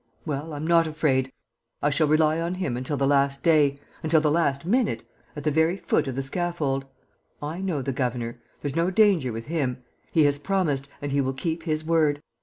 Well, I'm not afraid. I shall rely on him until the last day, until the last minute, at the very foot of the scaffold. I know the governor! There's no danger with him. He has promised and he will keep his word.